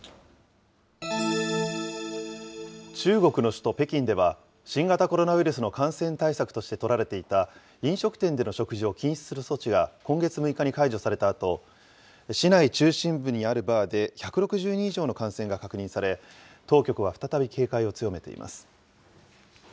中国の首都北京では、新型コロナウイルスの感染対策として取られていた、飲食店での食事を禁止する措置が今月６日に解除されたあと、市内中心部にあるバーで１６０人以上の感染が確認され、当局は再び警戒を強めています。